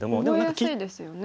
覚えやすいですよね。